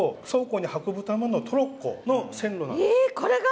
えこれが！？